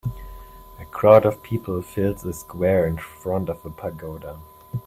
A crowd of people fills a square in front of a pagoda